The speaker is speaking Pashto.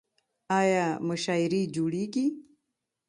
آیا مشاعرې جوړیږي؟